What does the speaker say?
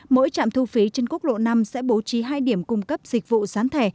mỗi trạm thu phí trên quốc lộ năm sẽ bố trí hai điểm cung cấp dịch vụ sán thẻ